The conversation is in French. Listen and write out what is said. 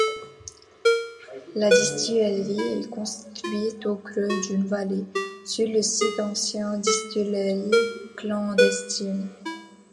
La distillerie est construite au creux d’une vallée, sur le site d’anciennes distilleries clandestines.